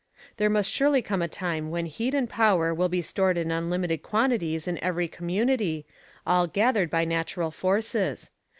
"There must surely come a time when heat and power will be stored in unlimited quantities in every community, all gathered by natural forces.